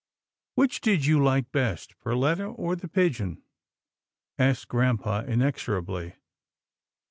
" Which did you like best, Perletta or the pigeon?" asked grampa inexorably.